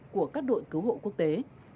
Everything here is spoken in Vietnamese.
của các đội cứu hộ quốc tế